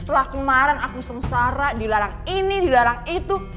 setelah kemarin aku sengsara dilarang ini dilarang itu